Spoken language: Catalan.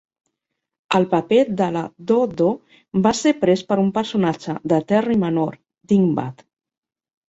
El paper de la do-do va ser pres per un personatge de Terry menor, Dingbat.